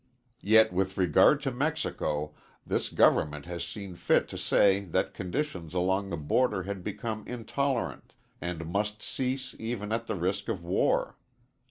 Yet with regard to Mexico this government has seen fit to say that conditions along the border had become "intolerant" and must cease even at the risk of war.